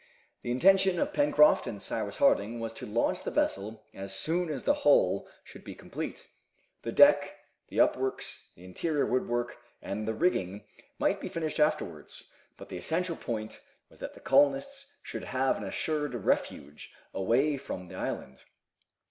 The intention of Pencroft and Cyrus Harding was to launch the vessel as soon as the hull should be complete. The deck, the upperworks, the interior woodwork and the rigging might be finished afterwards, but the essential point was that the colonists should have an assured refuge away from the island.